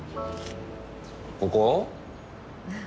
ここ？